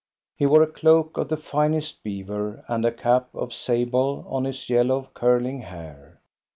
He wore a cloak of the finest beaver, and a cap of sable on his yellow, curling hair.